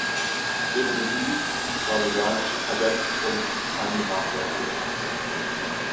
Im lief die brasilianische Kadett- und Ipanema-Fertigung aus.